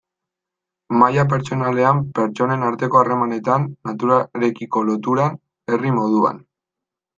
Maila pertsonalean, pertsonen arteko harremanetan, naturarekiko loturan, herri moduan...